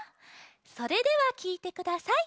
それではきいてください。